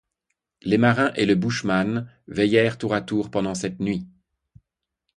Les marins et le bushman veillèrent tour à tour pendant cette nuit.